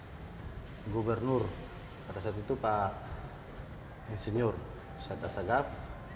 tahun dua ribu tujuh belas gubernur pada saat itu pak insinyur syed asagaf